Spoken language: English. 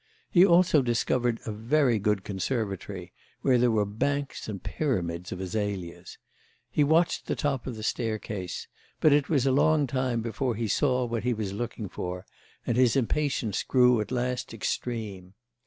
He also discovered a very good conservatory, where there were banks and pyramids of azaleas. He watched the top of the staircase, but it was a long time before he saw what he was looking for, and his impatience grew at last extreme.